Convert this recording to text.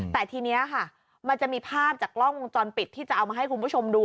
แต่ทีนี้ค่ะมันจะมีภาพจากกล้องวงจรปิดที่จะเอามาให้คุณผู้ชมดู